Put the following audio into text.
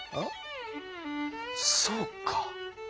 そうか。